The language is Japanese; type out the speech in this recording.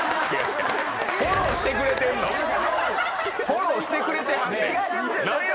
フォローしてくれてはんねん！